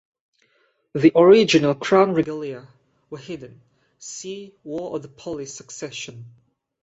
The original "Crown Regalia" were hidden - see War of the Polish Succession.